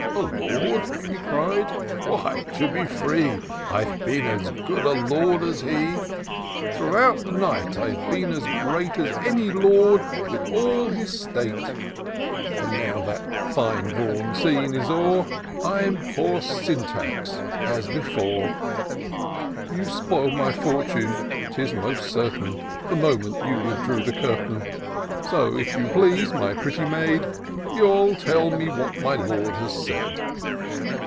" A Lord !" he cried, " why, to be free, I've been as good a lord as he: Throughout the night, I've been as great As any lord, with all feis state ; But now that fine drawn scene is o'er. And I'm poor Syntax as before. You spoil'd my fortune, 'tis jnaost certain. The moment you withdrew the curtain ; So, if you please, my pretty maid. You'll tell me what my Lord has said."